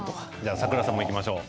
さくらさんもいきましょう。